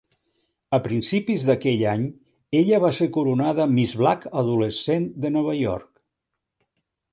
A principis d'aquell any, ella va ser coronada Miss Black adolescent de Nova York.